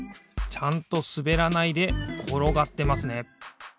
ちゃんとすべらないでころがってますね。